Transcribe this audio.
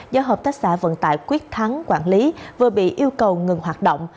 do hợp tác xã vận tải quyết thắng quản lý vừa bị yêu cầu ngừng hoạt động